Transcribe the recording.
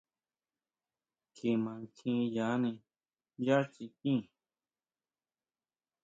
Kjima kjín yani yá chiquin.